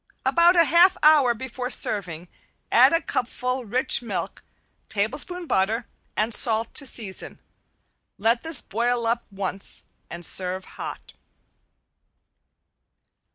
About a half hour before serving add a cupful rich milk, tablespoon butter, and salt to season. Let this boil up once, and serve hot.